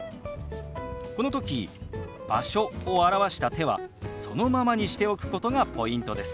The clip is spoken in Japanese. この時「場所」を表した手はそのままにしておくことがポイントです。